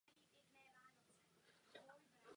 Pracoval v podniku Zbrojovka Vyškov.